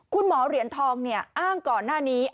คุณหมอเหรียญทองอ้างก่อนหน้านี้